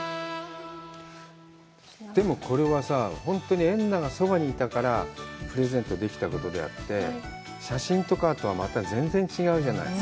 でも、これはさ、本当にエンナがそばにいたからプレゼントできたことであって、写真とかとはまた全然違うじゃない。